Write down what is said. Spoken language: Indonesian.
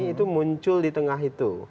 itu muncul di tengah itu